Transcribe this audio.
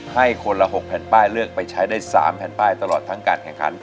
ให้คนละ๖แผ่นป้ายเลือกไปใช้ได้๓แผ่นป้ายตลอดทั้งการแข่งขัน